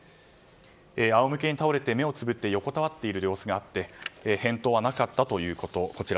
あおむけに倒れて目をつぶって横たわっている様子で返答はなかったということ。